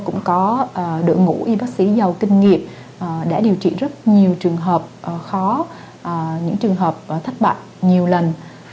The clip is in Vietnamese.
chúng tôi cũng có đội ngũ y bác sĩ giàu kinh nghiệp để điều trị rất nhiều trường hợp khó những trường hợp thất bại nhiều lần